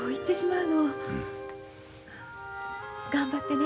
うん。頑張ってね。